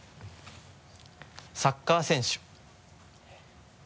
「サッカー選手」